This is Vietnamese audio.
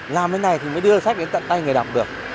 làm thế này thì mới đưa sách đến tận tay người đọc được